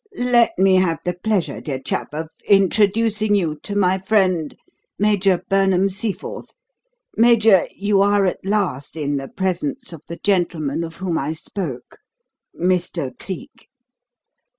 Let me have the pleasure, dear chap, of introducing you to my friend, Major Burnham Seaforth. Major, you are at last in the presence of the gentleman of whom I spoke Mr. Cleek."